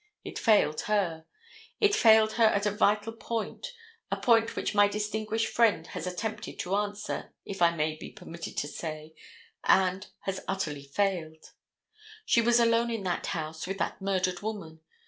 It failed her. It failed her at a vital point, a point which my distinguished friend has attempted to answer, if I may be permitted to say so, and has utterly failed. She was alone in that house with that murdered woman.